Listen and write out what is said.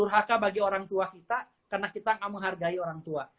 durhaka bagi orang tua kita karena kita tidak menghargai orang tua